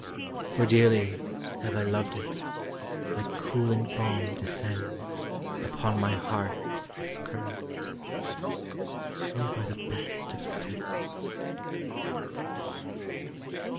For dearly have I loved it. Like cooling balm descends Upon my heart its current: We were the best of friends.